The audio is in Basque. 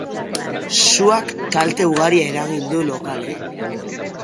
Suak kalte ugari eragin du lokalean.